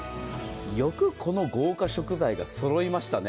よくこの豪華食材が揃いましたね。